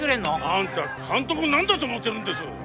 あんた監督を何だと思ってるんです！